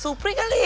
surprise kali ya